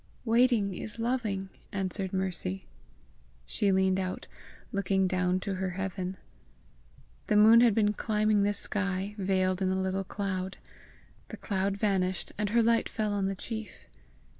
"Waiting is loving," answered Mercy. She leaned out, looking down to her heaven. The moon had been climbing the sky, veiled in a little cloud. The cloud vanished, and her light fell on the chief.